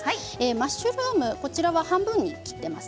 マッシュルームは半分に切っています。